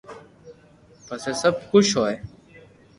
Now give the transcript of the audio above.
پسي سب خوݾ ھوئي